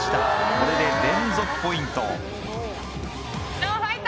これで連続ポイント。